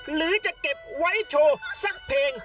หรือจะเก็บไว้โชว์๑เพลง๒เพลง